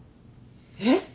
えっ？